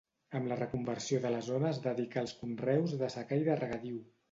Amb la reconversió de la zona es dedicà als conreus de secà i de regadiu.